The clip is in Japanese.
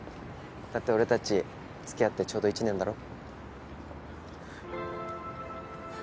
だって俺たち付き合ってちょうど１年だろ？